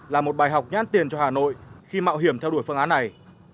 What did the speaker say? là một bài học nhãn tiền cho hà nội khi mạo hiểm theo đuổi phương án này